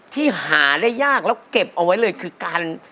ที่หาได้ยากแล้วเก็บเอาไว้เลยคือการ